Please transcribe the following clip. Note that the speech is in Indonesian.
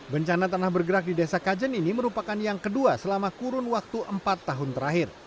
bencana tanah bergerak di desa kajen ini merupakan yang kedua selama kurun waktu empat tahun terakhir